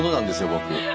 僕。